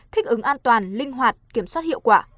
thích ứng an toàn linh hoạt kiểm soát hiệu quả